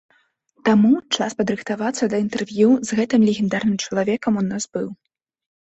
Таму час падрыхтавацца да інтэрв'ю з гэтым легендарным чалавекам у нас быў.